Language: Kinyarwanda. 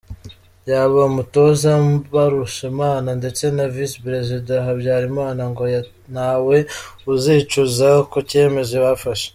Yaba umutoza Mbarushimana ndetse na Visi Perezida Habyarimana ngo ntawe uzicuza ku cyemezo bafashe.